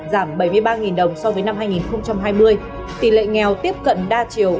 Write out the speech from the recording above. giảm bảy mươi ba đồng so với năm hai nghìn hai mươi tỷ lệ nghèo tiếp cận đa chiều